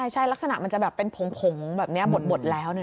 ใช่ลักษณะมันจะแบบเป็นผงแบบนี้บดแล้ว